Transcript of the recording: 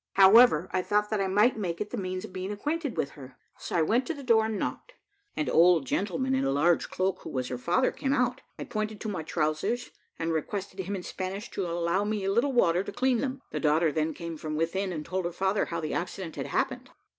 However, I thought that I might make it the means of being acquainted with her, so I went to the door and knocked. An old gentleman in a large cloak, who was her father, came out; I pointed to my trowsers, and requested him in Spanish to allow me a little water to clean them. The daughter then came from within, and told her father how the accident had happened.